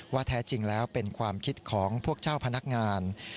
แท้จริงแล้วเป็นความคิดของพวกเจ้าพนักงาน